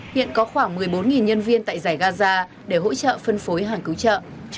hiện có khoảng một mươi bốn nhân viên tại giải gaza để hỗ trợ phân phối hàng cứu trợ